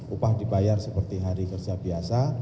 upah dibayar seperti hari kerja biasa